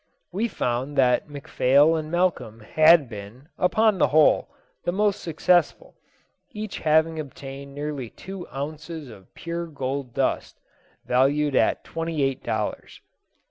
We found that McPhail and Malcolm had been, upon the whole, the most successful, each having obtained nearly two ounces of pure gold dust, valued at twenty eight dollars.